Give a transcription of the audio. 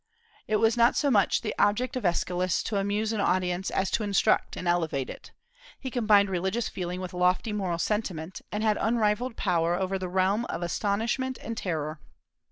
It was not so much the object of Aeschylus to amuse an audience as to instruct and elevate it. He combined religious feeling with lofty moral sentiment, and had unrivalled power over the realm of astonishment and terror.